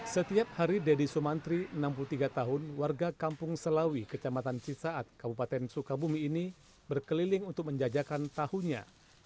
setiap hari deddy sumantri enam puluh tiga tahun warga kampung selawi kecamatan cisaat kabupaten sukabumi ini berkeliling untuk menjajakan tahunya